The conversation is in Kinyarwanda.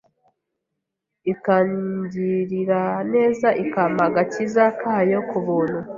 ikangirira neza ikampa agakiza kayo ku buntu